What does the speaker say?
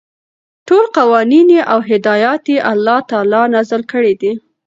ټول قوانين او هدايات يي الله تعالى نازل كړي دي ،